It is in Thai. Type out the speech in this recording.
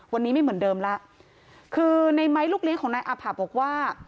วันนี้ไม่เหมือนเดิมแล้วคือในไม้ลูกเลี้ยงของนายอาผะบอกว่า